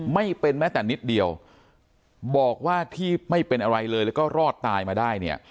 ไม่เป็นแม้แต่นิดเดียวบอกว่าที่ไม่เป็นอะไรเลยแล้วก็รอดตายมาได้เนี่ย